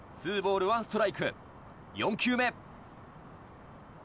２ボール１ストライク４球目。